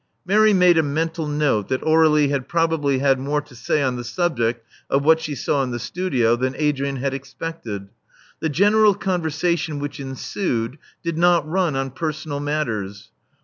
Mary made a mental note that Aurdlie had probably had more to say on the subject of what she saw in the studio than Adrian had expected. The general con versation which ensued did not run on personal matters.